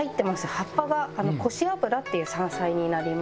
葉っぱがコシアブラっていう山菜になりますね。